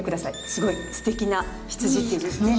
すごいすてきな「羊」っていう字ですね。